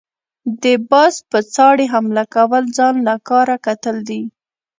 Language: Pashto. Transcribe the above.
د باز په څاړي حمله كول ځان له کار کتل دي۔